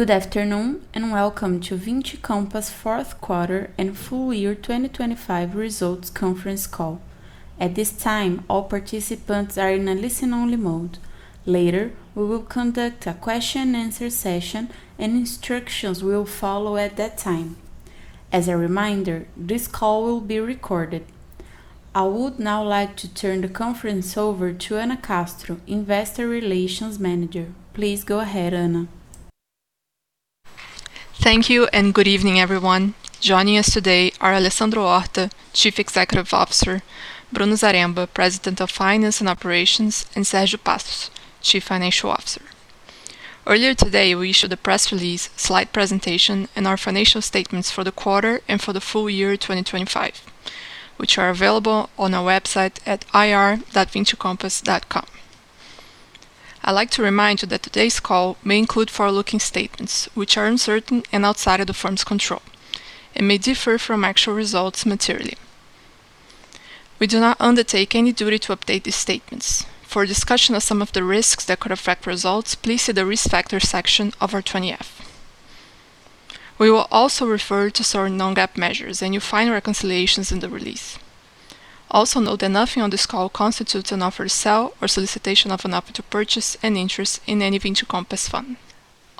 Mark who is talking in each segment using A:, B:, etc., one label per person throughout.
A: Good afternoon and welcome to Vinci Compass fourth quarter and full year 2025 results conference call. At this time, all participants are in a listen-only mode. Later, we will conduct a question and answer session, and instructions will follow at that time. As a reminder, this call will be recorded. I would now like to turn the conference over to Anna Castro, Investor Relations Manager. Please go ahead, Anna.
B: Thank you and good evening, everyone. Joining us today are Alessandro Horta, Chief Executive Officer, Bruno Zaremba, President of Finance and Operations, and Sergio Passos, Chief Financial Officer. Earlier today, we issued a press release, slide presentation, and our financial statements for the quarter and for the full year 2025, which are available on our website at ir.vincicompass.com. I'd like to remind you that today's call may include forward-looking statements, which are uncertain and outside of the firm's control and may differ from actual results materially. We do not undertake any duty to update these statements. For a discussion of some of the risks that could affect results, please see the Risk Factors section of our Form 20-F. We will also refer to certain non-GAAP measures, and you'll find reconciliations in the release. Note that nothing on this call constitutes an offer to sell or solicitation of an offer to purchase an interest in any Vinci Compass fund.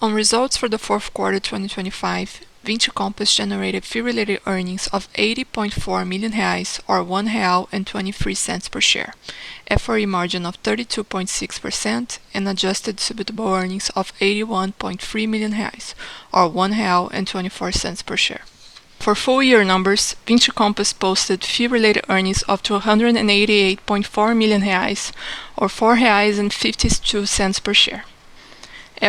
B: Results for the fourth quarter 2025, Vinci Compass generated Fee Related Earnings of 80.4 million reais or 1.23 real per share, FRE margin of 32.6% and Adjusted Distributable Earnings of 81.3 million reais or 1.24 real per share. Full year numbers, Vinci Compass posted Fee-Related Earnings up to 188.4 million reais or 4.52 reais per share.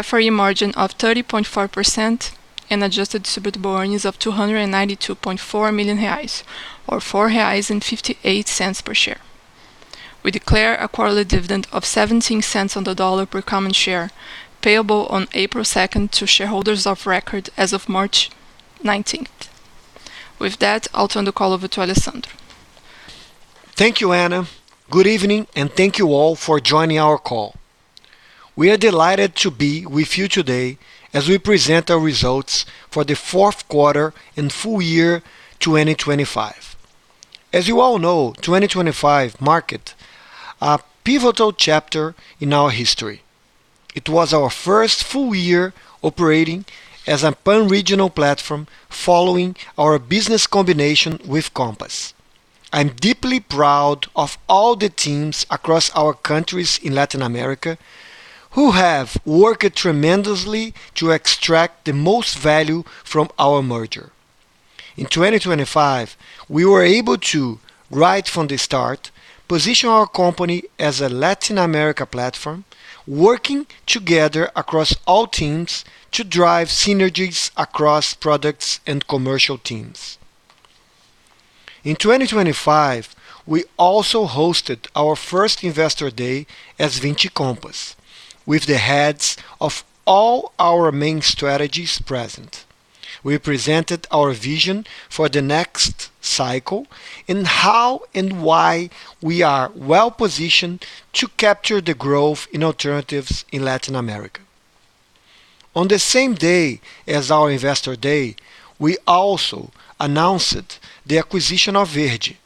B: FRE margin of 30.4% and Adjusted Distributable Earnings of 292.4 million reais or 4.58 reais per share. We declare a quarterly dividend of $0.17 per common share payable on April 2nd to shareholders of record as of March 19th. With that, I'll turn the call over to Alessandro.
C: Thank you, Anna. Good evening, and thank you all for joining our call. We are delighted to be with you today as we present our results for the fourth quarter and full year 2025. As you all know, 2025 marked a pivotal chapter in our history. It was our first full year operating as a pan-regional platform following our business combination with Compass. I'm deeply proud of all the teams across our countries in Latin America who have worked tremendously to extract the most value from our merger. In 2025, we were able to, right from the start, position our company as a Latin America platform, working together across all teams to drive synergies across products and commercial teams. In 2025, we also hosted our first Investor Day as Vinci Compass with the heads of all our main strategies present. We presented our vision for the next cycle and how and why we are well-positioned to capture the growth in alternatives in Latin America. On the same day as our Investor Day, we also announced the acquisition of Verde,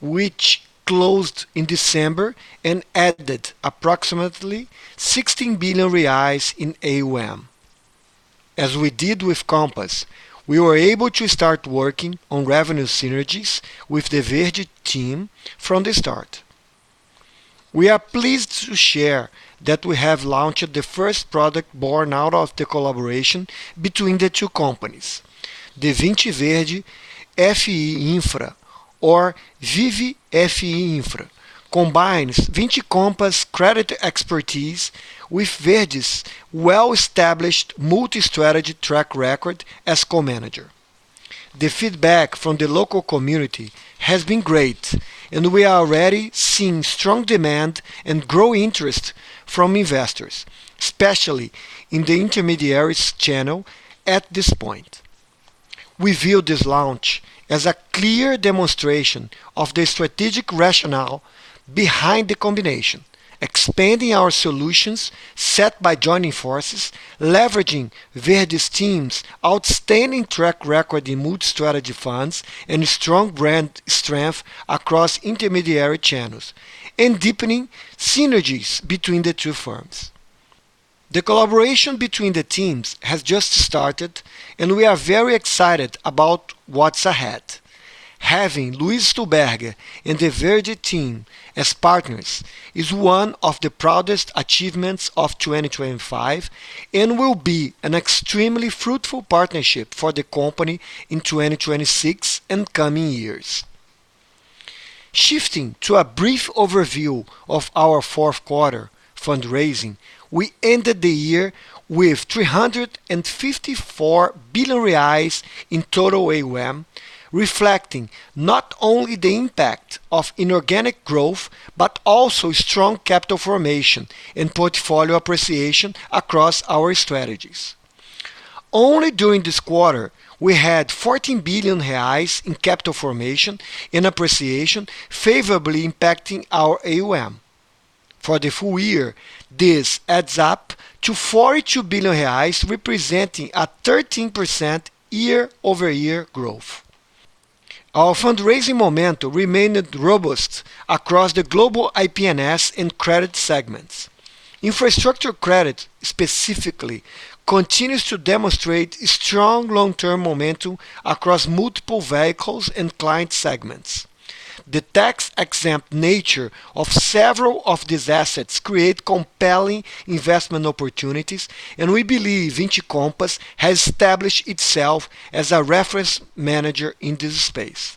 C: which closed in December and added approximately 16 billion reais in AUM. As we did with Compass, we were able to start working on revenue synergies with the Verde team from the start. We are pleased to share that we have launched the first product born out of the collaboration between the two companies. The Vinci Verde FE Infra or VVFE Infra combines Vinci Compass credit expertise with Verde's well-established multi-strategy track record as co-manager. The feedback from the local community has been great, and we are already seeing strong demand and growing interest from investors, especially in the intermediaries channel at this point. We view this launch as a clear demonstration of the strategic rationale behind the combination, expanding our solutions set by joining forces, leveraging Verde's team's outstanding track record in multi-strategy funds and strong brand strength across intermediary channels, and deepening synergies between the two firms. The collaboration between the teams has just started, and we are very excited about what's ahead. Having Luis Stuhlberger and the Verde team as partners is one of the proudest achievements of 2025 and will be an extremely fruitful partnership for the company in 2026 and coming years. Shifting to a brief overview of our fourth quarter fundraising, we ended the year with 354 billion reais in total AUM, reflecting not only the impact of inorganic growth, but also strong capital formation and portfolio appreciation across our strategies. Only during this quarter, we had 14 billion reais in capital formation and appreciation favorably impacting our AUM. For the full year, this adds up to 42 billion reais, representing a 13% year-over-year growth. Our fundraising momentum remained robust across the Global IP&S and Credit segments. Infrastructure credit, specifically, continues to demonstrate strong long-term momentum across multiple vehicles and client segments. The tax-exempt nature of several of these assets create compelling investment opportunities, and we believe Vinci Compass has established itself as a reference manager in this space.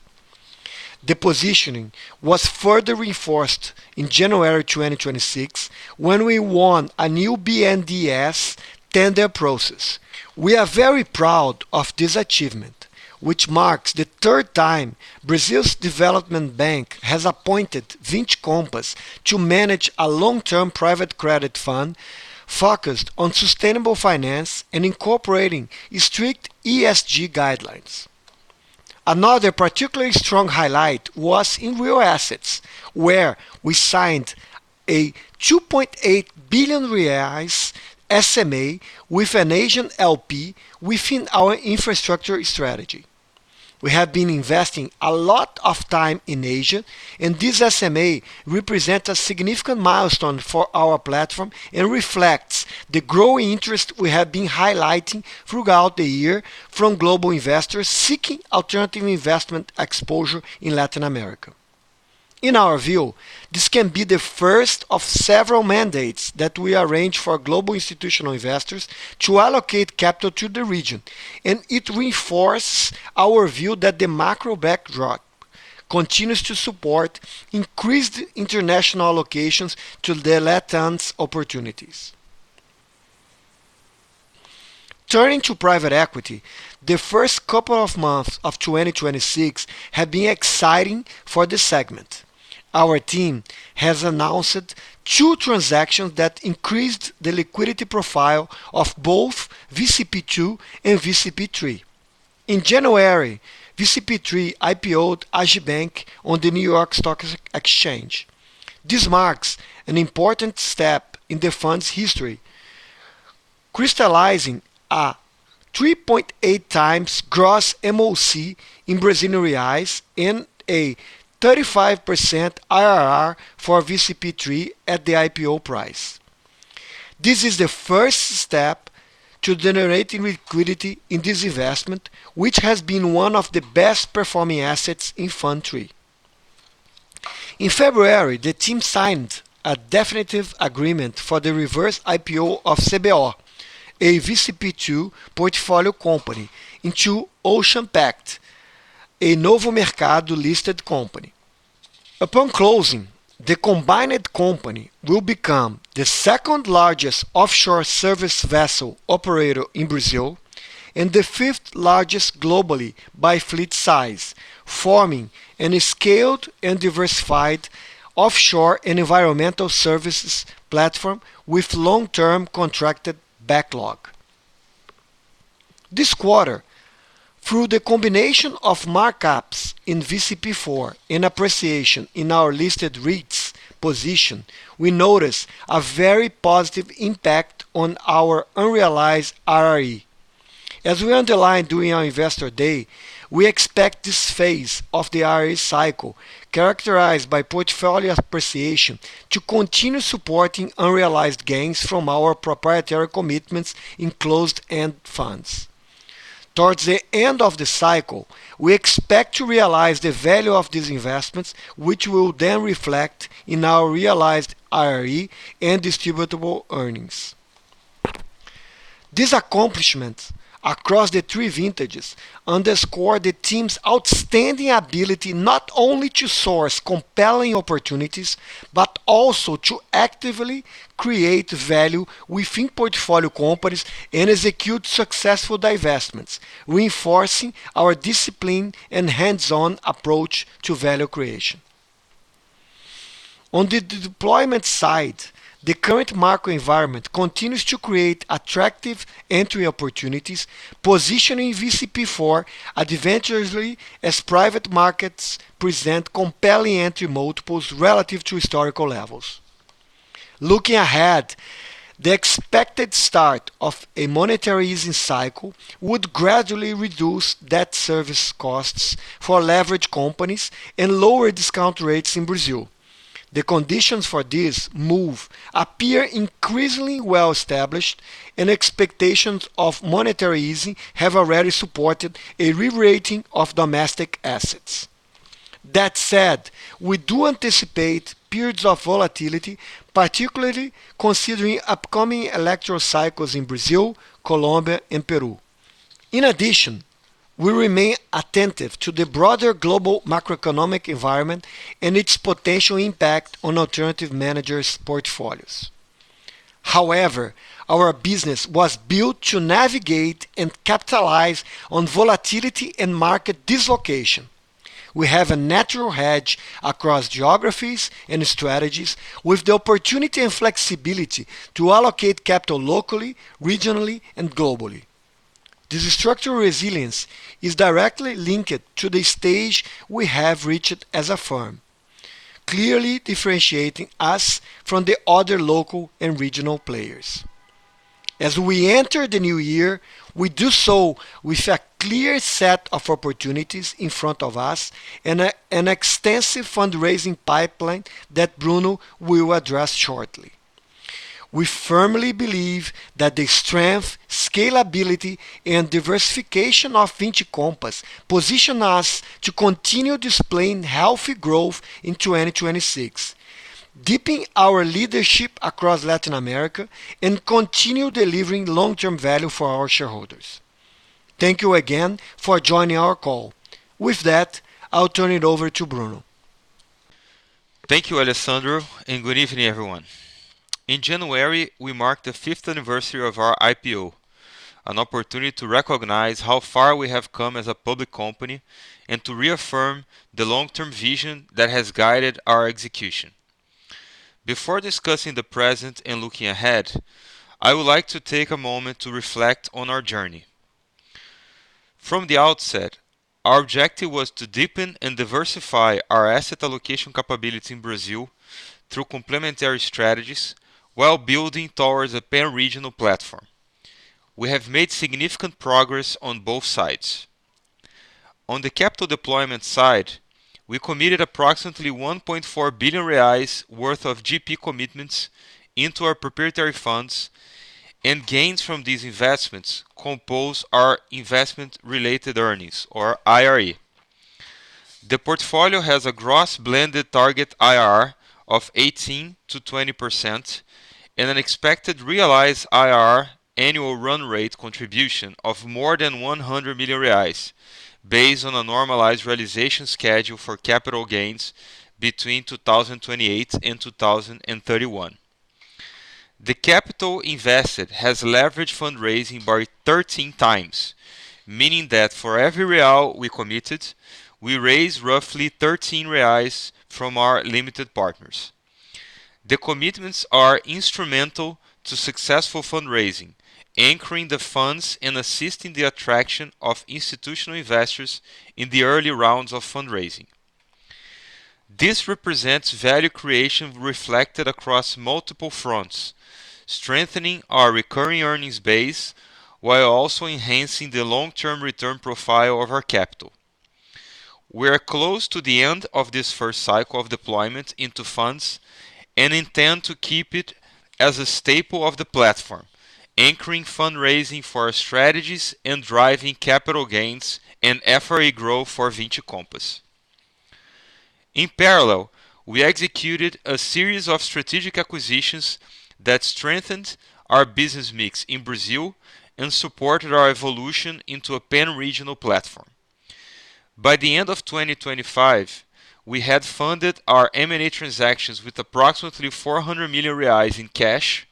C: The positioning was further reinforced in January 2026, when we won a new BNDES tender process. We are very proud of this achievement, which marks the third time Brazil's Development Bank has appointed Vinci Compass to manage a long-term private credit fund focused on sustainable finance and incorporating strict ESG guidelines. Another particularly strong highlight was in real assets, where we signed a 2.8 billion reais SMA with an Asian LP within our infrastructure strategy. This SMA represents a significant milestone for our platform and reflects the growing interest we have been highlighting throughout the year from global investors seeking alternative investment exposure in Latin America. In our view, this can be the first of several mandates that we arrange for global institutional investors to allocate capital to the region. It reinforces our view that the macro backdrop continues to support increased international allocations to the LATAM's opportunities. Turning to private equity, the first couple of months of 2026 have been exciting for the segment. Our team has announced two transactions that increased the liquidity profile of both VCP2 and VCP3. In January, VCP3 IPO'd Agibank on the New York Stock Exchange. This marks an important step in the fund's history, crystallizing a 3.8x gross MOC in Brazilian reais and a 35% IRR for VCP3 at the IPO price. This is the first step to generating liquidity in this investment, which has been one of the best performing assets in Fund three. In February, the team signed a definitive agreement for the reverse IPO of CBO, a VCP2 portfolio company, into OceanPact, a Novo Mercado-listed company. Upon closing, the combined company will become the second-largest offshore service vessel operator in Brazil and the fifth-largest globally by fleet size, forming a scaled and diversified offshore and environmental services platform with long-term contracted backlog. This quarter, through the combination of markups in VCP4 and appreciation in our listed REITs position, we notice a very positive impact on our unrealized IRE. As we underlined during our Investor Day, we expect this phase of the IRE cycle, characterized by portfolio appreciation, to continue supporting unrealized gains from our proprietary commitments in closed-end funds. Towards the end of the cycle, we expect to realize the value of these investments, which will then reflect in our realized IRE and distributable earnings. These accomplishments across the three vintages underscore the team's outstanding ability not only to source compelling opportunities, but also to actively create value within portfolio companies and execute successful divestments, reinforcing our discipline and hands-on approach to value creation. On the deployment side, the current macro environment continues to create attractive entry opportunities, positioning VCP4 advantageously as private markets present compelling entry multiples relative to historical levels. Looking ahead, the expected start of a monetary easing cycle would gradually reduce debt service costs for leveraged companies and lower discount rates in Brazil. The conditions for this move appear increasingly well-established. Expectations of monetary easing have already supported a re-rating of domestic assets. That said, we do anticipate periods of volatility, particularly considering upcoming electoral cycles in Brazil, Colombia, and Peru. In addition, we remain attentive to the broader global macroeconomic environment and its potential impact on alternative managers' portfolios. However, our business was built to navigate and capitalize on volatility and market dislocation. We have a natural hedge across geographies and strategies with the opportunity and flexibility to allocate capital locally, regionally, and globally. This structural resilience is directly linked to the stage we have reached as a firm, clearly differentiating us from the other local and regional players. As we enter the new year, we do so with a clear set of opportunities in front of us and an extensive fundraising pipeline that Bruno will address shortly. We firmly believe that the strength, scalability, and diversification of Vinci Compass position us to continue displaying healthy growth in 2026, deepening our leadership across Latin America and continue delivering long-term value for our shareholders. Thank you again for joining our call. With that, I'll turn it over to Bruno.
D: Thank you, Alessandro. Good evening, everyone. In January, we marked the fifth anniversary of our IPO, an opportunity to recognize how far we have come as a public company and to reaffirm the long-term vision that has guided our execution. Before discussing the present and looking ahead, I would like to take a moment to reflect on our journey. From the outset, our objective was to deepen and diversify our asset allocation capability in Brazil through complementary strategies while building towards a pan-regional platform. We have made significant progress on both sides. On the capital deployment side, we committed approximately 1.4 billion reais worth of GP commitments into our proprietary funds. Gains from these investments compose our investment-related earnings or IRE. The portfolio has a gross blended target IRR of 18%-20% and an expected realized IRR annual run rate contribution of more than 100 million reais based on a normalized realization schedule for capital gains between 2028 and 2031. The capital invested has leveraged fundraising by 13x, meaning that for every real we committed, we raised roughly 13 reais from our limited partners. The commitments are instrumental to successful fundraising, anchoring the funds and assisting the attraction of institutional investors in the early rounds of fundraising. This represents value creation reflected across multiple fronts, strengthening our recurring earnings base while also enhancing the long-term return profile of our capital. We are close to the end of this first cycle of deployment into funds and intend to keep it as a staple of the platform, anchoring fundraising for our strategies and driving capital gains and FRE growth for Vinci Compass. In parallel, we executed a series of strategic acquisitions that strengthened our business mix in Brazil and supported our evolution into a pan-regional platform. By the end of 2025, we had funded our M&A transactions with approximately 400 million reais in cash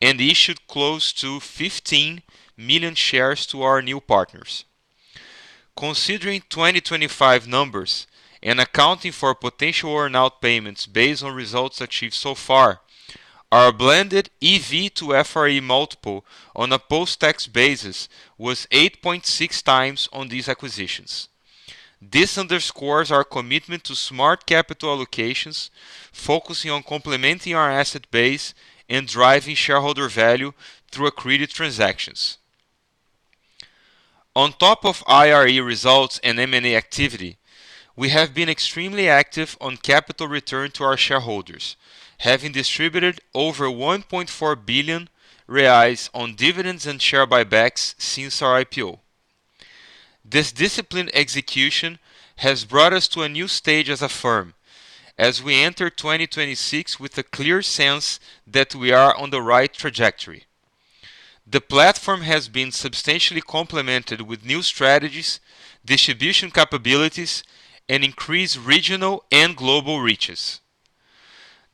D: and issued close to 15 million shares to our new partners. Considering 2025 numbers and accounting for potential earn-out payments based on results achieved so far, our blended EV to FRE multiple on a post-tax basis was 8.6x on these acquisitions. This underscores our commitment to smart capital allocations, focusing on complementing our asset base and driving shareholder value through accretive transactions. On top of IRE results and M&A activity, we have been extremely active on capital return to our shareholders, having distributed over 1.4 billion reais on dividends and share buybacks since our IPO. This disciplined execution has brought us to a new stage as a firm as we enter 2026 with a clear sense that we are on the right trajectory. The platform has been substantially complemented with new strategies, distribution capabilities, and increased regional and global reaches.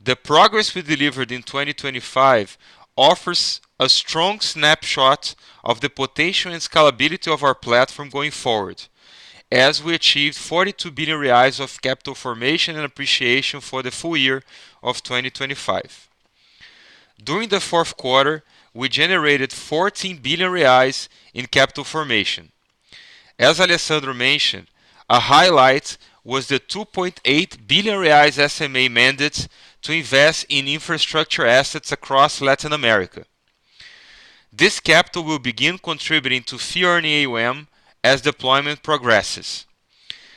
D: The progress we delivered in 2025 offers a strong snapshot of the potential and scalability of our platform going forward as we achieved 42 billion reais of capital formation and appreciation for the full year of 2025. During the fourth quarter, we generated 14 billion reais in capital formation. As Alessandro Horta mentioned, a highlight was the 2.8 billion reais SMA mandate to invest in infrastructure assets across Latin America. This capital will begin contributing to Fee-Earning AUM as deployment progresses.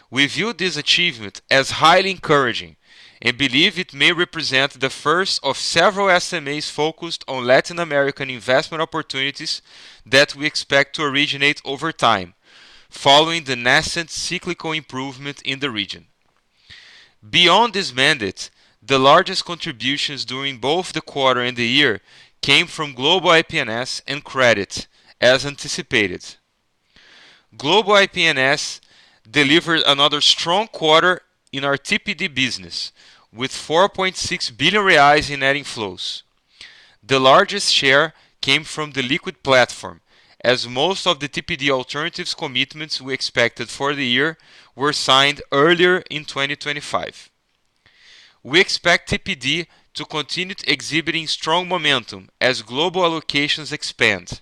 D: We view this achievement as highly encouraging and believe it may represent the first of several SMAs focused on Latin American investment opportunities that we expect to originate over time following the nascent cyclical improvement in the region. Beyond this mandate, the largest contributions during both the quarter and the year came from Global IP&S and Credit as anticipated. Global IP&S delivered another strong quarter in our TPD business with 4.6 billion reais in net inflows. The largest share came from the liquid platform, as most of the TPD alternatives commitments we expected for the year were signed earlier in 2025. We expect TPD to continue exhibiting strong momentum as global allocations expand.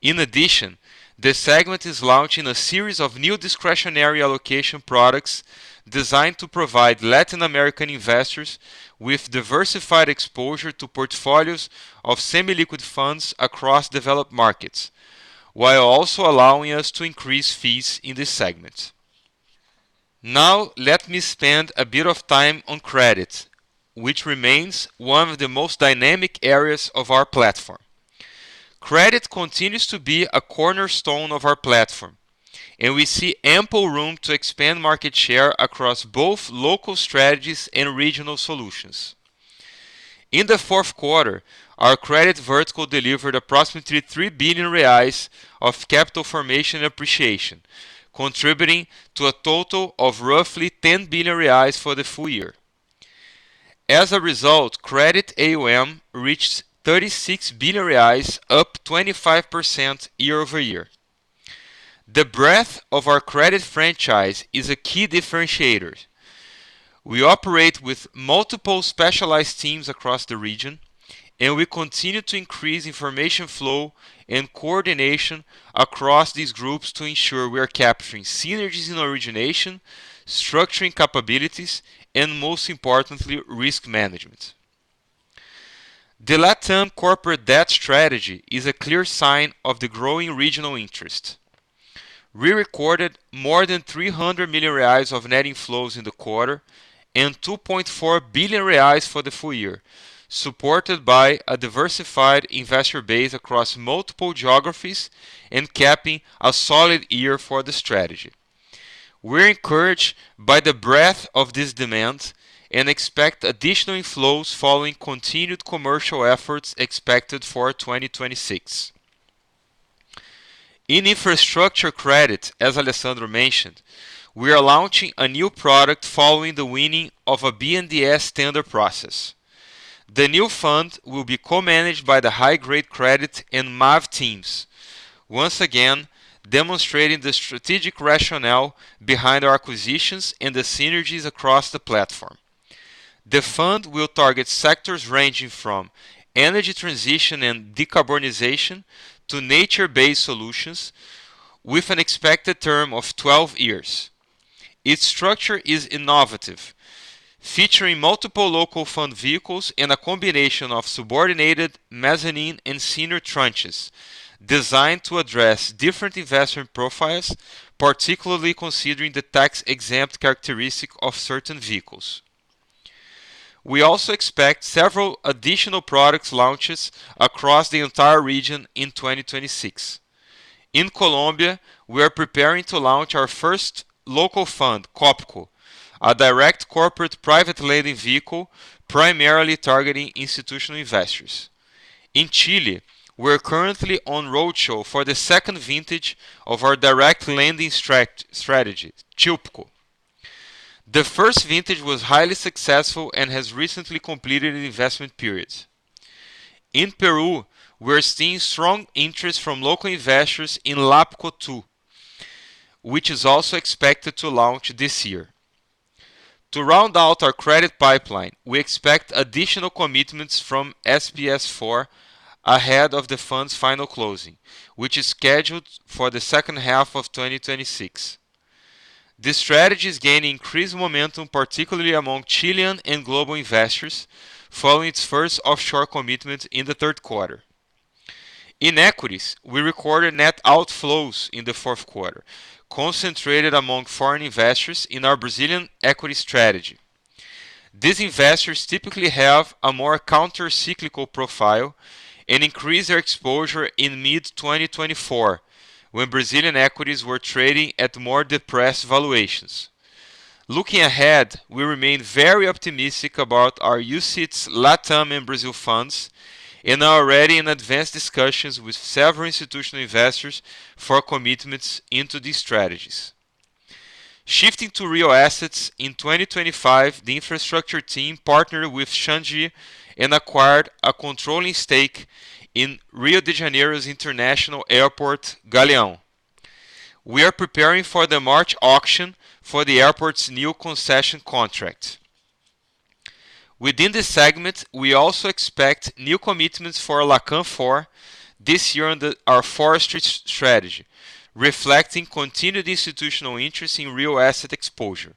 D: In addition, this segment is launching a series of new discretionary allocation products designed to provide Latin American investors with diversified exposure to portfolios of semi-liquid funds across developed markets, while also allowing us to increase fees in this segment. Let me spend a bit of time on credit, which remains one of the most dynamic areas of our platform. Credit continues to be a cornerstone of our platform, and we see ample room to expand market share across both local strategies and regional solutions. In the fourth quarter, our credit vertical delivered approximately 3 billion reais of capital formation appreciation, contributing to a total of roughly 10 billion reais for the full year. As a result, credit AUM reached 36 billion reais, up 25% year-over-year. The breadth of our credit franchise is a key differentiator. We operate with multiple specialized teams across the region. We continue to increase information flow and coordination across these groups to ensure we are capturing synergies in origination, structuring capabilities, and most importantly, risk management. The LATAM corporate debt strategy is a clear sign of the growing regional interest. We recorded more than 300 million reais of net inflows in the quarter and 2.4 billion reais for the full year, supported by a diversified investor base across multiple geographies and capping a solid year for the strategy. We're encouraged by the breadth of this demand and expect additional inflows following continued commercial efforts expected for 2026. In infrastructure credit, as Alessandro mentioned, we are launching a new product following the winning of a BNDES tender process. The new fund will be co-managed by the high-grade credit and MAV teams, once again demonstrating the strategic rationale behind our acquisitions and the synergies across the platform. The fund will target sectors ranging from energy transition and decarbonization to nature-based solutions with an expected term of 12 years. Its structure is innovative, featuring multiple local fund vehicles and a combination of subordinated mezzanine and senior tranches designed to address different investment profiles, particularly considering the tax-exempt characteristic of certain vehicles. We also expect several additional product launches across the entire region in 2026. In Colombia, we are preparing to launch our first local fund, COPCO, a direct corporate private lending vehicle primarily targeting institutional investors. In Chile, we're currently on roadshow for the second vintage of our direct lending strategy, CHILCO. The first vintage was highly successful and has recently completed an investment period. In Peru, we're seeing strong interest from local investors in LAPCO II, which is also expected to launch this year. To round out our credit pipeline, we expect additional commitments from SPS IV ahead of the fund's final closing, which is scheduled for the second half of 2026. This strategy is gaining increased momentum, particularly among Chilean and global investors, following its first offshore commitment in the third quarter. In Equities, we recorded net outflows in the fourth quarter, concentrated among foreign investors in our Brazilian equity strategy. These investors typically have a more counter-cyclical profile and increased their exposure in mid-2024 when Brazilian equities were trading at more depressed valuations. Looking ahead, we remain very optimistic about our UCITS LATAM and Brazil funds and are already in advanced discussions with several institutional investors for commitments into these strategies. Shifting to real assets in 2025, the infrastructure team partnered with Changi and acquired a controlling stake in Rio de Janeiro's International Airport, Galeão. We are preparing for the March auction for the airport's new concession contract. Within this segment, we also expect new commitments for Lacan IV this year our forestry strategy, reflecting continued institutional interest in real asset exposure.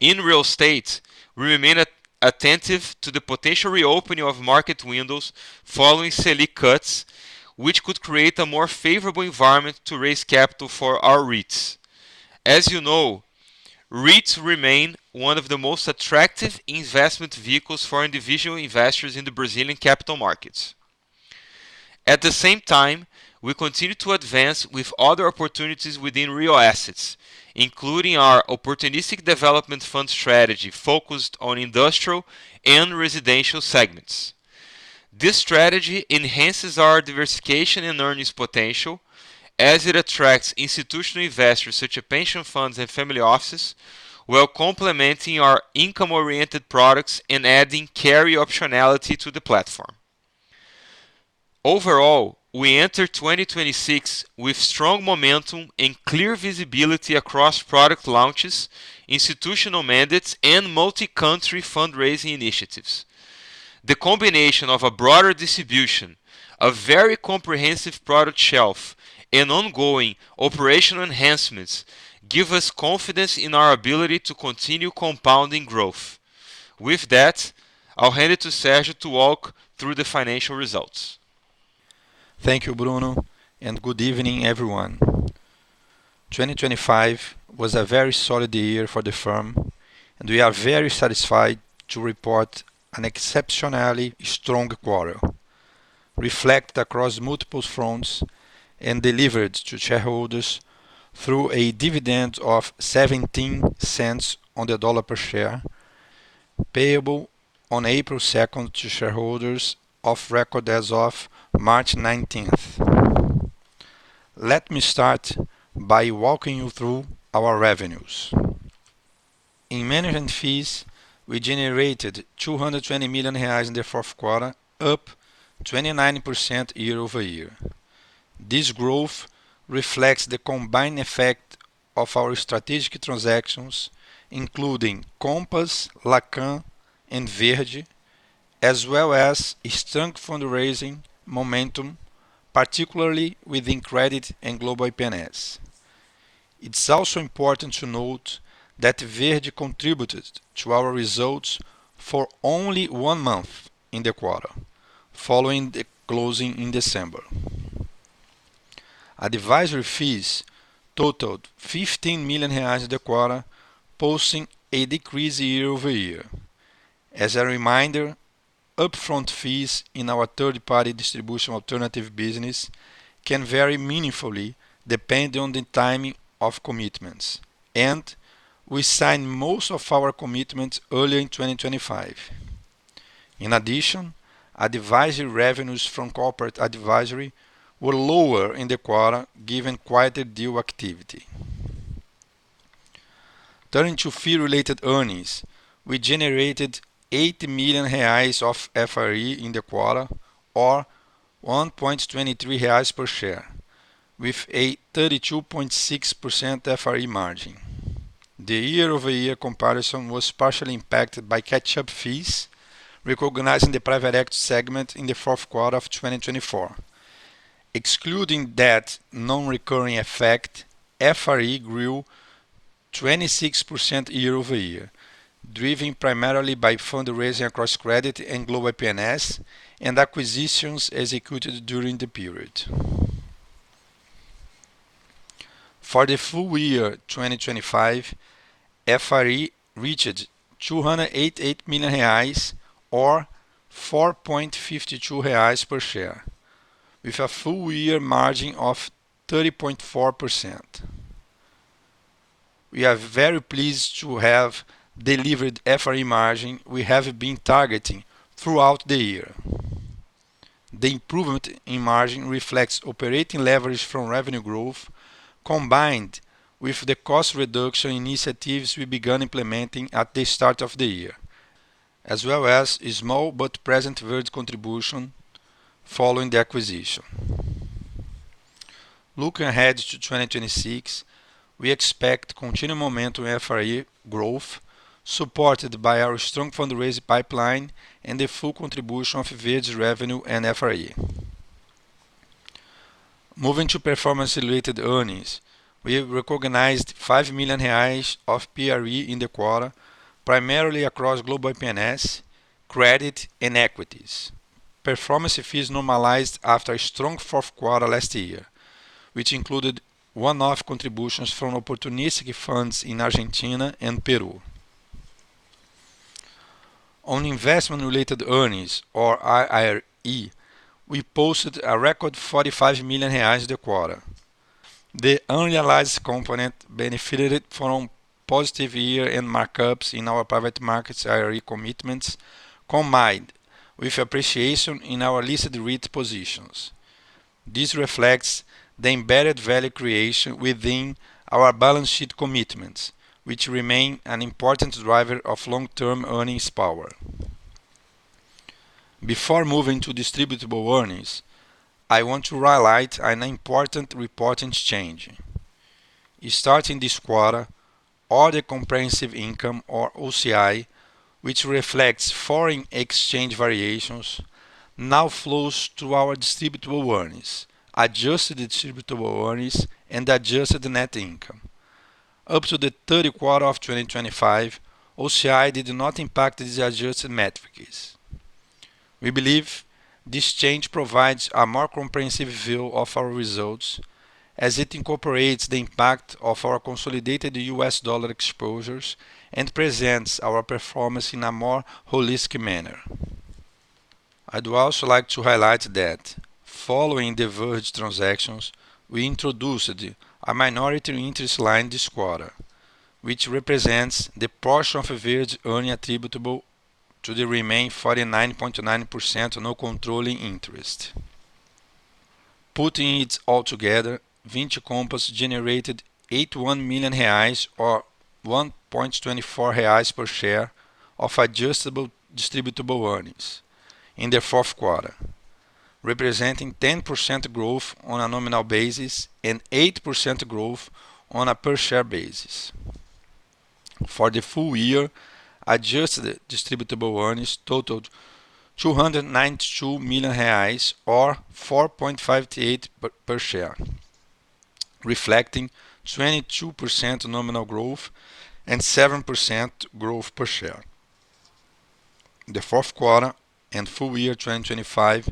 D: In real estate, we remain attentive to the potential reopening of market windows following SELIC cuts, which could create a more favorable environment to raise capital for our REITs. As you know, REITs remain one of the most attractive investment vehicles for individual investors in the Brazilian capital markets. At the same time, we continue to advance with other opportunities within real assets, including our opportunistic development fund strategy focused on industrial and residential segments. This strategy enhances our diversification and earnings potential as it attracts institutional investors such as pension funds and family offices, while complementing our income-oriented products and adding carry optionality to the platform. We enter 2026 with strong momentum and clear visibility across product launches, institutional mandates, and multi-country fundraising initiatives. The combination of a broader distribution, a very comprehensive product shelf, and ongoing operational enhancements give us confidence in our ability to continue compounding growth. With that, I'll hand it to Sergio to walk through the financial results.
E: Thank you, Bruno. Good evening, everyone. 2025 was a very solid year for the firm. We are very satisfied to report an exceptionally strong quarter, reflect across multiple fronts, delivered to shareholders through a dividend of $0.17 per share, payable on April 2nd to shareholders of record as of March 19th. Let me start by walking you through our revenues. In management fees, we generated 220 million reais in the fourth quarter, up 29% year-over-year. This growth reflects the combined effect of our strategic transactions, including Compass, Lacan, and Verde, as well as strong fundraising momentum, particularly within Credit and Global IP&S. It's also important to note that Verde contributed to our results for only one month in the quarter, following the closing in December. Advisory fees totaled 15 million reais in the quarter, posting a decrease year-over-year. As a reminder, upfront fees in our third-party distribution alternative business can vary meaningfully depending on the timing of commitments. We sign most of our commitments early in 2025. Advisory revenues from corporate advisory were lower in the quarter given quieter deal activity. Turning to Fee-Related Earnings, we generated 80 million reais of FRE in the quarter, or 1.23 reais per share, with a 32.6% FRE margin. The year-over-year comparison was partially impacted by catch-up fees, recognizing the private equity segment in the fourth quarter of 2024. Excluding that non-recurring effect, FRE grew 26% year-over-year, driven primarily by fundraising across Credit and Global IP&S and acquisitions executed during the period. For the full year 2025, FRE reached 208.8 million reais or 4.52 reais per share, with a full year margin of 30.4%. We are very pleased to have delivered FRE margin we have been targeting throughout the year. The improvement in margin reflects operating leverage from revenue growth combined with the cost reduction initiatives we began implementing at the start of the year, as well as a small but present Verde contribution following the acquisition. Looking ahead to 2026, we expect continued momentum in FRE growth supported by our strong fundraising pipeline and the full contribution of Verde's revenue and FRE. Moving to Performance-Related Earnings, we recognized 5 million reais of PRE in the quarter, primarily across Global IP&S, Credit, and Equities. Performance fees normalized after a strong fourth quarter last year, which included one-off contributions from opportunistic funds in Argentina and Peru. On investment-related earnings, or IRE, we posted a record 45 million reais this quarter. The unrealized component benefited from positive year-end markups in our private markets IRE commitments combined with appreciation in our listed REIT positions. This reflects the embedded value creation within our balance sheet commitments, which remain an important driver of long-term earnings power. Before moving to distributable earnings, I want to highlight an important reporting change. Starting this quarter, all the comprehensive income or OCI, which reflects foreign exchange variations, now flows to our distributable earnings, Adjusted Distributable Earnings, and adjusted net income. Up to the third quarter of 2025, OCI did not impact these adjusted metrics. We believe this change provides a more comprehensive view of our results as it incorporates the impact of our consolidated U.S. dollar exposures and presents our performance in a more holistic manner. I'd also like to highlight that following the Verde transactions, we introduced a minority interest line this quarter, which represents the portion of Verde earning attributable to the remaining 49.9% non-controlling interest.
D: Putting it all together, Vinci Compass generated 81 million reais or 1.24 reais per share of Adjusted Distributable Earnings in the fourth quarter, representing 10% growth on a nominal basis and 8% growth on a per share basis. For the full year, Adjusted Distributable Earnings totaled 292 million reais or 4.58 per share, reflecting 22% nominal growth and 7% growth per share. The fourth quarter and full year 2025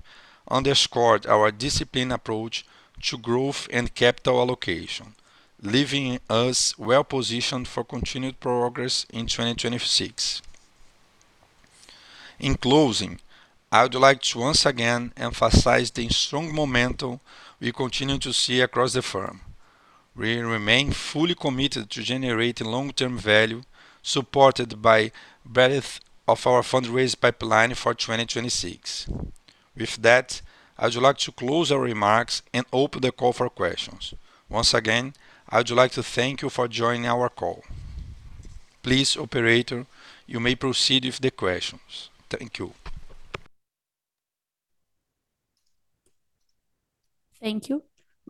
D: underscored our disciplined approach to growth and capital allocation, leaving us well-positioned for continued progress in 2026. In closing, I would like to once again emphasize the strong momentum we continue to see across the firm. We remain fully committed to generating long-term value supported by breadth of our fundraise pipeline for 2026. I'd like to close our remarks and open the call for questions. Once again, I'd like to thank you for joining our call. Please, operator, you may proceed with the questions. Thank you.
A: Thank you.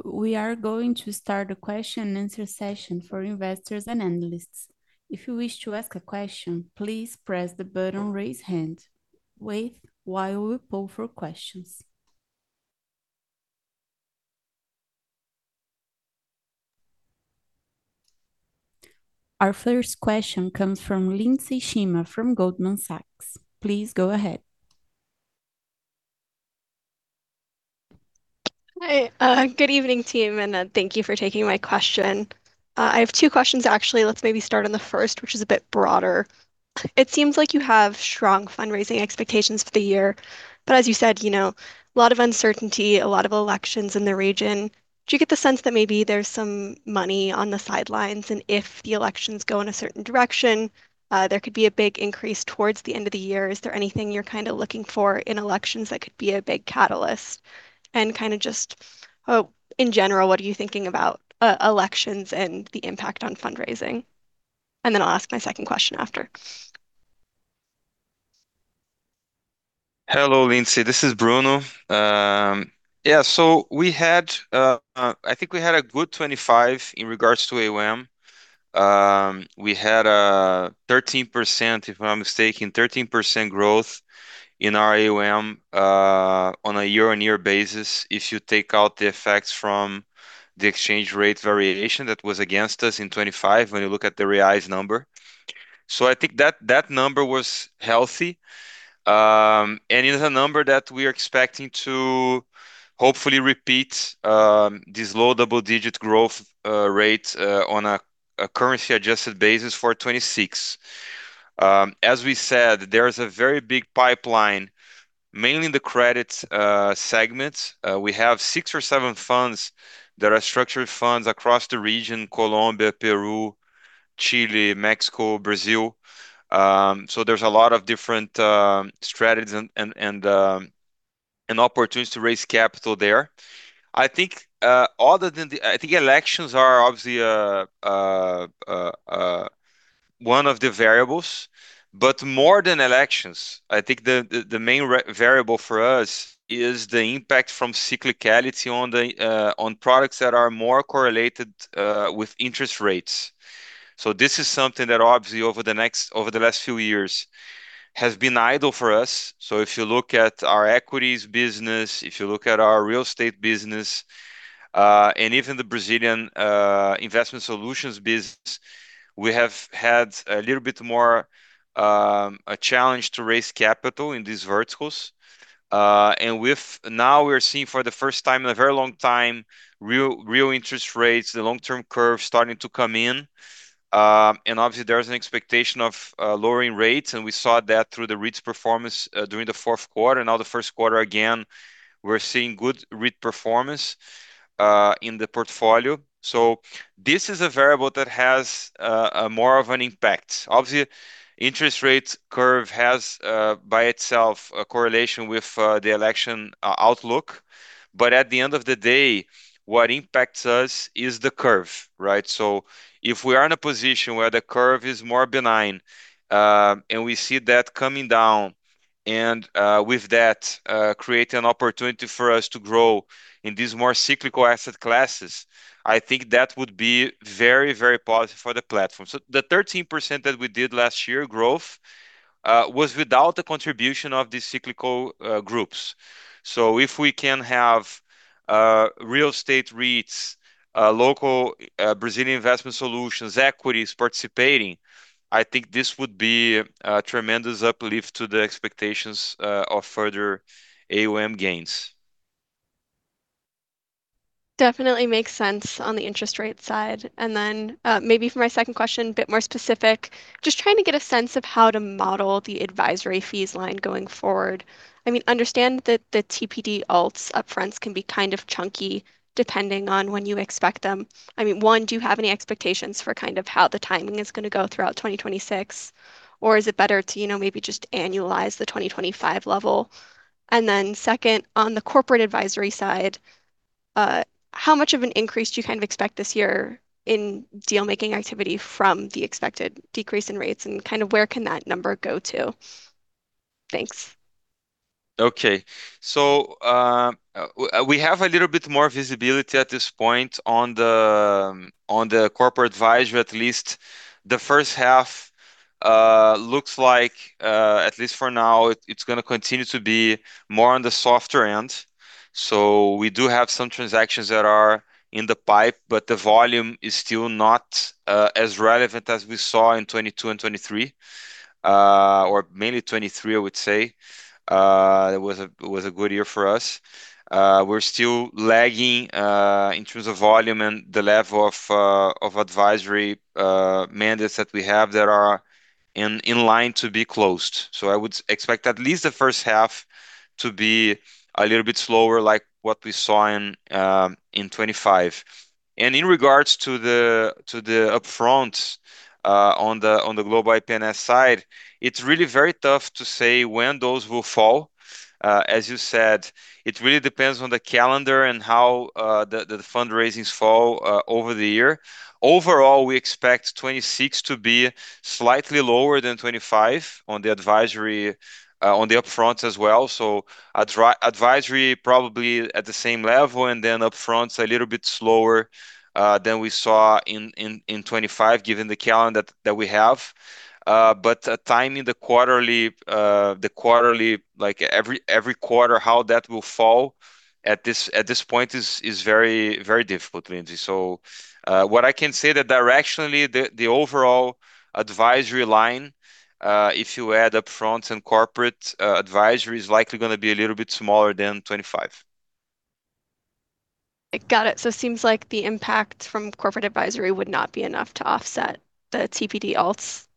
A: We are going to start a question and answer session for investors and analysts. If you wish to ask a question, please press the button, "Raise Hand". Wait while we poll for questions. Our first question comes from Lindsey Shema from Goldman Sachs. Please go ahead.
F: Hi. Good evening, team, and thank you for taking my question. I have two questions, actually. Let's maybe start on the first, which is a bit broader. It seems like you have strong fundraising expectations for the year, but as you said, you know, a lot of uncertainty, a lot of elections in the region. Do you get the sense that maybe there's some money on the sidelines, and if the elections go in a certain direction, there could be a big increase towards the end of the year? Is there anything you're kinda looking for in elections that could be a big catalyst? Kinda just, in general, what are you thinking about elections and the impact on fundraising? Then I'll ask my second question after.
D: Hello, Lindsey. This is Bruno. Yeah. We had I think we had a good 2025 in regards to AUM. We had 13%, if I'm not mistaken, 13% growth in our AUM on a year-on-year basis if you take out the effects from the exchange rate variation that was against us in 2025 when you look at the realized number. I think that number was healthy, and it's a number that we are expecting to hopefully repeat this low double-digit growth rate on a currency adjusted basis for 2026. As we said, there is a very big pipeline, mainly in the Credit segment. We have six or seven funds that are structured funds across the region, Colombia, Peru, Chile, Mexico, Brazil. There's a lot of different strategies and opportunities to raise capital there. I think other than I think elections are obviously one of the variables, but more than elections, I think the main variable for us is the impact from cyclicality on the products that are more correlated with interest rates. This is something that obviously over the last few years has been idle for us. If you look at our Equities business, if you look at our real estate business, and even the Brazilian investment solutions business, we have had a little bit more a challenge to raise capital in these verticals. With now we're seeing for the first time in a very long time, real interest rates, the long-term curve starting to come in. Obviously, there is an expectation of lowering rates, and we saw that through the REITs performance during the fourth quarter. Now the first quarter, again, we're seeing good REIT performance in the portfolio. This is a variable that has a more of an impact. Obviously, interest rates curve has by itself a correlation with the election outlook. At the end of the day, what impacts us is the curve, right? If we are in a position where the curve is more benign, and we see that coming down and with that creating an opportunity for us to grow in these more cyclical asset classes, I think that would be very, very positive for the platform. The 13% that we did last year growth was without the contribution of these cyclical groups. If we can have real estate REITs, local Brazilian investment solutions, equities participating, I think this would be a tremendous uplift to the expectations of further AUM gains.
F: Definitely makes sense on the interest rate side. Maybe for my second question, a bit more specific, just trying to get a sense of how to model the advisory fees line going forward. I mean, understand that the TPD alts up fronts can be kind of chunky depending on when you expect them. I mean, one, do you have any expectations for kind of how the timing is gonna go throughout 2026, or is it better to, you know, maybe just annualize the 2025 level? Second, on the corporate advisory side, how much of an increase do you kind of expect this year in deal-making activity from the expected decrease in rates? Kind of where can that number go to? Thanks.
D: Okay. We have a little bit more visibility at this point on the corporate advisory. At least the first half looks like, at least for now it's gonna continue to be more on the softer end. We do have some transactions that are in the pipe, but the volume is still not as relevant as we saw in 2022 and 2023, or mainly 2023, I would say. It was a good year for us. We're still lagging in terms of volume and the level of advisory mandates that we have that are in line to be closed. I would expect at least the first half to be a little bit slower, like what we saw in 2025. In regards to the, to the upfront, on the Global IP&S side, it's really very tough to say when those will fall. As you said, it really depends on the calendar and how the fundraisings fall over the year. Overall, we expect 2026 to be slightly lower than 2025 on the advisory, on the upfront as well. Advisory probably at the same level, then upfront a little bit slower than we saw in 2025, given the calendar that we have. Timing the quarterly, like every quarter, how that will fall at this point is very difficult, Lindsey. What I can say that directionally, the overall advisory line, if you add upfront and corporate advisory, is likely gonna be a little bit smaller than 2025.
F: Got it. It seems like the impact from corporate advisory would not be enough to offset the TPD alts?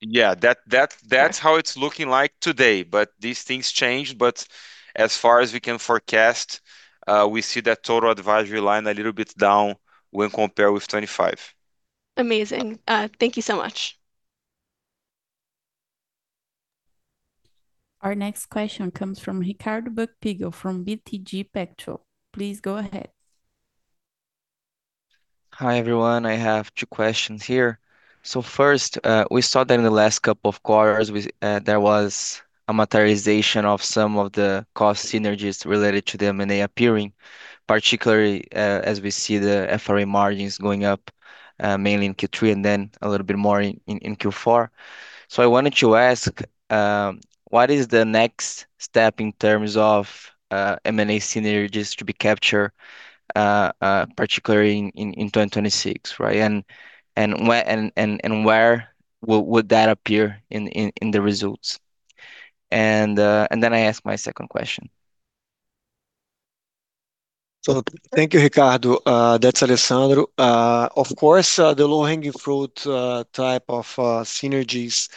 D: Yeah. That, that's how it's looking like today, but these things change. As far as we can forecast, we see that total advisory line a little bit down when compared with 2025.
F: Amazing. Thank you so much.
A: Our next question comes from Ricardo Buchpiguel from BTG Pactual. Please go ahead.
G: Hi, everyone. I have two questions here. First, we saw that in the last couple of quarters with there was a materialization of some of the cost synergies related to the M&A appearing, particularly as we see the FRE margin going up mainly in Q3, and then a little bit more in Q4. I wanted to ask what is the next step in terms of M&A synergies to be captured particularly in 2026, right? Where would that appear in the results? Then I ask my second question.
C: Thank you, Ricardo. That's Alessandro. Of course, the low-hanging fruit type of synergies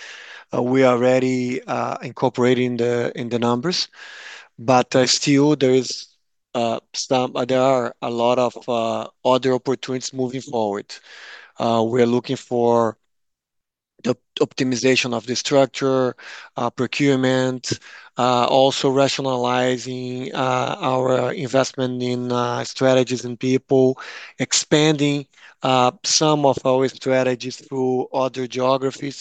C: we already incorporate in the numbers, but still there are a lot of other opportunities moving forward. We're looking for optimization of the structure, procurement, also rationalizing our investment in strategies and people, expanding some of our strategies through other geographies.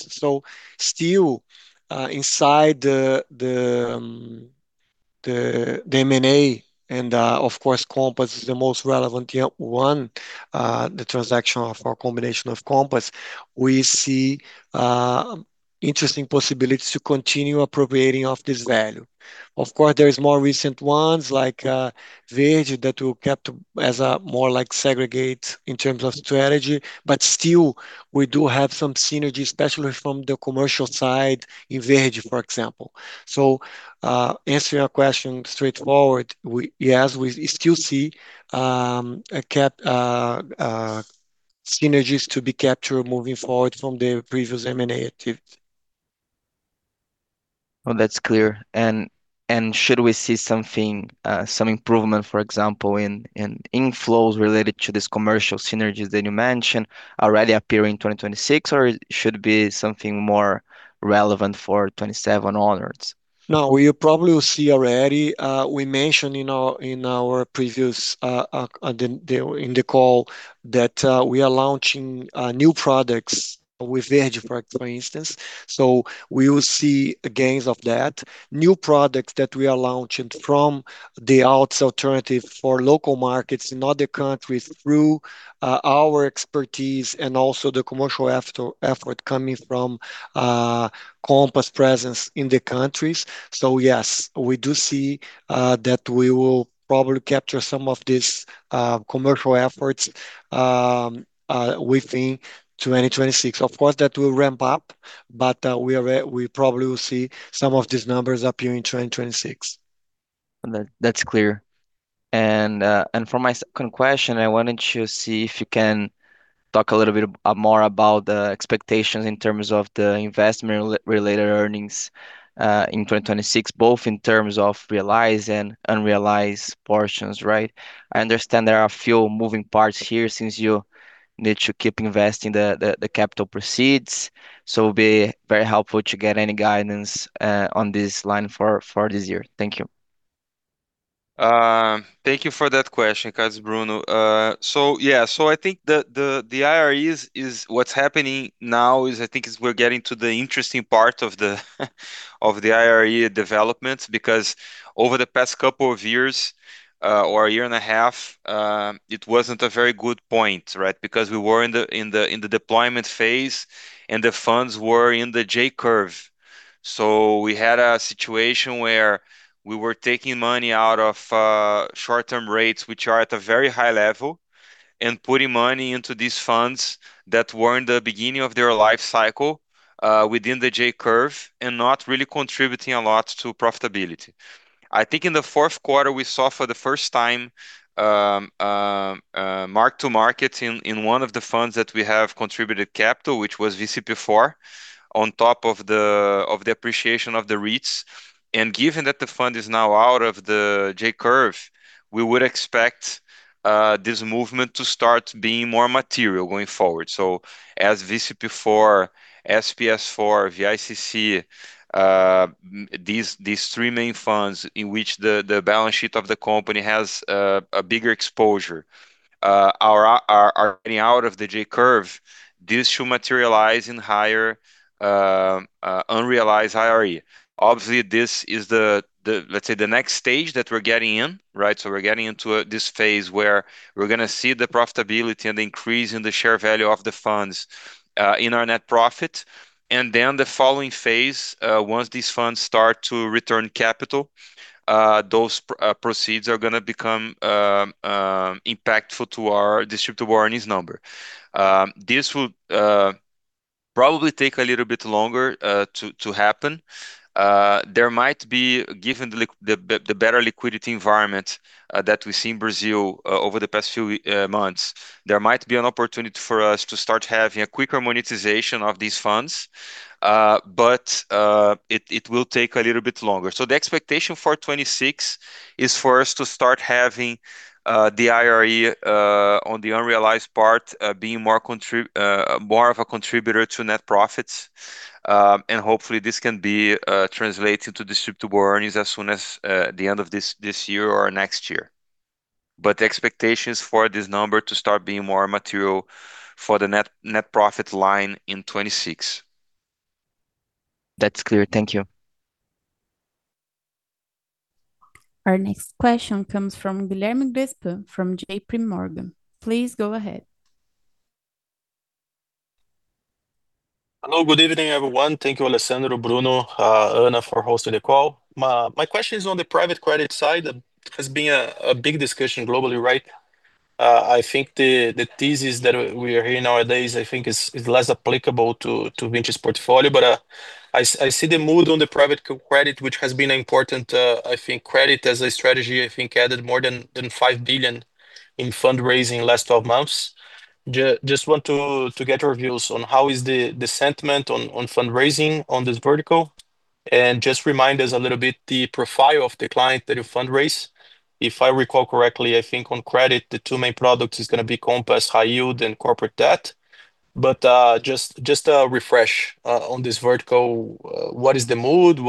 C: Still, inside the M&A, and of course, Compass is the most relevant here. One, the transaction of our combination of Compass, we see interesting possibilities to continue appropriating of this value. Of course, there is more recent ones like, Verde that we kept as a more like segregate in terms of strategy, but still we do have some synergies, especially from the commercial side in Verde, for example. Answering your question straightforward, yes, we still see synergies to be captured moving forward from the previous M&A activity.
G: Well, that's clear. Should we see something, some improvement, for example, in inflows related to this commercial synergies that you mentioned already appear in 2026, or it should be something more relevant for 2027 onwards?
C: No, you probably will see already. We mentioned in our previous in the call that we are launching new products with Verde, for instance. We will see gains of that. New products that we are launching from the alts alternative for local markets in other countries through our expertise and also the commercial effort coming from Compass presence in the countries. Yes, we do see that we will probably capture some of these commercial efforts within 2026. Of course, that will ramp up, but we probably will see some of these numbers appear in 2026.
G: That's clear. For my second question, I wanted to see if you can talk a little bit more about the expectations in terms of the investment-related earnings in 2026, both in terms of realized and unrealized portions, right? I understand there are a few moving parts here since you need to keep investing the capital proceeds, so it'll be very helpful to get any guidance on this line for this year. Thank you.
D: Thank you for that question, because Bruno. Yeah, I think the IRE is what's happening now is we're getting to the interesting part of the IRE developments because over the past couple of years, or a year and a half, it wasn't a very good point, right? We were in the deployment phase and the funds were in the J-curve. We had a situation where we were taking money out of short-term rates, which are at a very high level, and putting money into these funds that were in the beginning of their life cycle, within the J-curve and not really contributing a lot to profitability. I think in the fourth quarter we saw for the first time mark to market in one of the funds that we have contributed capital, which was VCP4 on top of the appreciation of the REITs. Given that the fund is now out of the J-curve, we would expect this movement to start being more material going forward. As VCP4, SPS4, VICC, these three main funds in which the balance sheet of the company has a bigger exposure, are getting out of the J-curve. This should materialize in higher unrealized IRE. Obviously, this is the, let's say, the next stage that we're getting in, right? We're getting into this phase where we're gonna see the profitability and the increase in the share value of the funds in our net profit. The following phase, once these funds start to return capital, those proceeds are gonna become impactful to our distributable earnings number. This will probably take a little bit longer to happen. There might be, given the better liquidity environment that we see in Brazil over the past few months, there might be an opportunity for us to start having a quicker monetization of these funds. It will take a little bit longer. The expectation for 2026 is for us to start having the IRE on the unrealized part being more of a contributor to net profits. Hopefully this can be translated to distributable earnings as soon as the end of this year or next year. The expectation is for this number to start being more material for the net profit line in 2026.
G: That's clear. Thank you.
A: Our next question comes from Guilherme Grespan from JPMorgan. Please go ahead.
H: Hello. Good evening, everyone. Thank you Alessandro, Bruno, Anna for hosting the call. My question is on the private credit side. It has been a big discussion globally, right? I think the thesis that we are hearing nowadays I think is less applicable to Vinci's portfolio, but I see the mood on the private credit, which has been important. I think credit as a strategy I think added more than 5 billion in fundraising last 12 months. just want to get your views on how is the sentiment on fundraising on this vertical, and just remind us a little bit the profile of the client that you fundraise. If I recall correctly, I think on credit the two main products is gonna be Compass, high yield and corporate debt, but just a refresh on this vertical. What is the mood?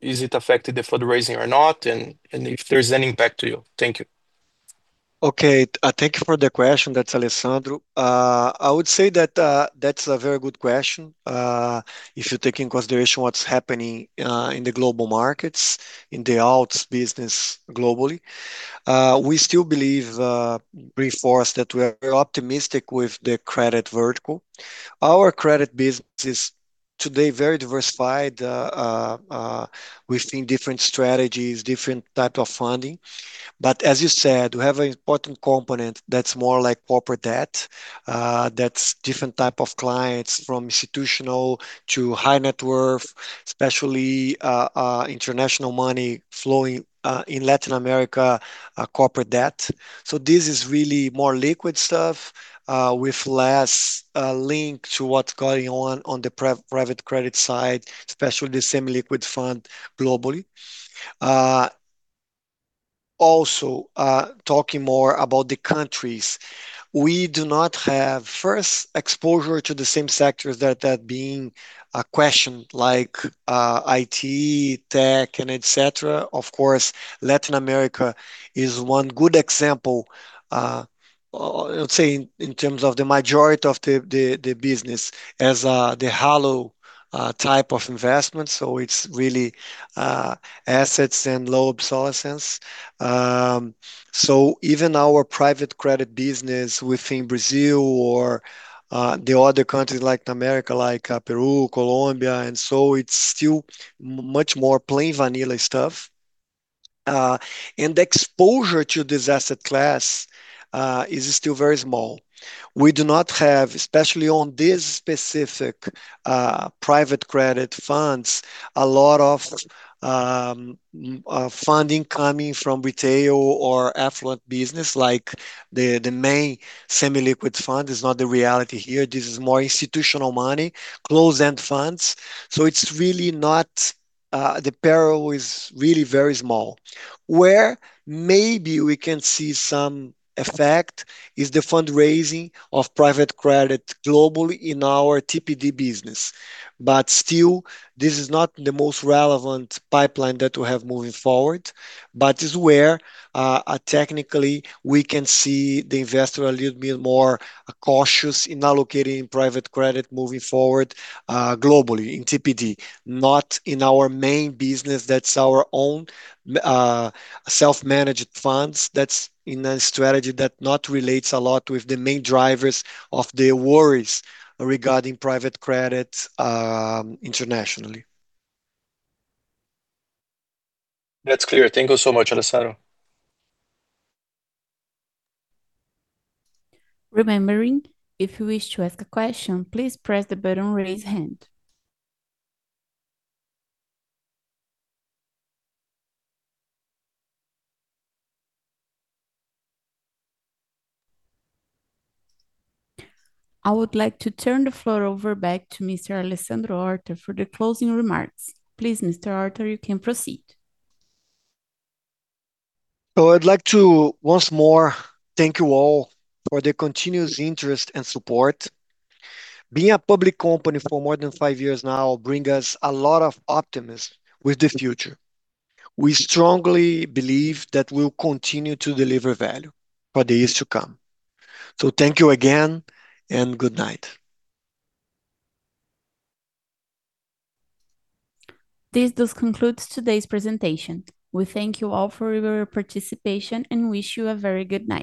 H: Is it affecting the fundraising or not? If there's any impact to you? Thank you.
C: Okay. Thank you for the question. That's Alessandro. I would say that's a very good question. If you take in consideration what's happening, in the global markets, in the alts business globally, we still believe, reinforce that we are very optimistic with the credit vertical. Our Credit business is today very diversified, within different strategies, different type of funding. As you said, we have an important component that's more like corporate debt, that's different type of clients from institutional to high net worth, especially, international money flowing, in Latin America, corporate debt. This is really more liquid stuff, with less link to what's going on on the private credit side, especially the semi-liquid fund globally. Talking more about the countries, we do not have first exposure to the same sectors that being a question like IT, tech and et cetera. Of course, Latin America is one good example, let's say in terms of the majority of the business as the hollow type of investment, so it's really assets and low obsolescence. Even our private credit business within Brazil or the other countries Latin America like Peru, Colombia, it's still much more plain vanilla stuff. The exposure to this asset class is still very small. We do not have, especially on this specific private credit funds, a lot of funding coming from retail or affluent business like the main semi-liquid fund is not the reality here. This is more institutional money, closed-end funds. It's really not, the peril is really very small. Where maybe we can see some effect is the fundraising of private credit globally in our TPD business. Still this is not the most relevant pipeline that we have moving forward. Is where, technically we can see the investor a little bit more cautious in allocating private credit moving forward, globally in TPD. Not in our main business that's our own, self-managed funds. That's in a strategy that not relates a lot with the main drivers of the worries regarding private credit, internationally.
H: That's clear. Thank you so much, Alessandro.
A: Remembering, if you wish to ask a question, please press the button "Raise Hand". I would like to turn the floor over back to Mr. Alessandro Horta for the closing remarks. Please, Mr. Horta, you can proceed.
C: I'd like to once more thank you all for the continuous interest and support. Being a public company for more than 5 years now bring us a lot of optimism with the future. We strongly believe that we'll continue to deliver value for the years to come. Thank you again and good night.
A: This does conclude today's presentation. We thank you all for your participation and wish you a very good night.